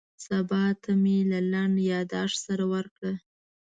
سبا ته مې له لنډ یاداښت سره ورکړه.